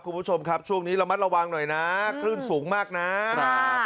คุณผู้ชมครับช่วงนี้ระมัดระวังหน่อยนะคลื่นสูงมากนะครับ